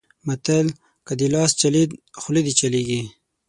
متل؛ که دې لاس چلېد؛ خوله دې چلېږي.